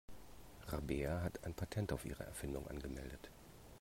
Rabea hat ein Patent auf ihre Erfindung angemeldet.